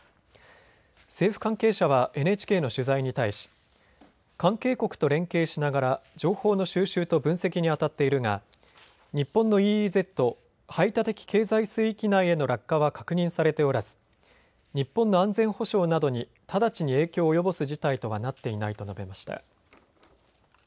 政府関係者はＮＨＫの取材に対し関係国と連携しながら情報の収集と分析にあたっているが日本のＥＥＺ・排他的経済水域内への落下は確認されておらず日本の安全保障などに直ちに影響を及ぼす事態とはなっていないと述べました。